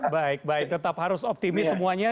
baik baik tetap harus optimis semuanya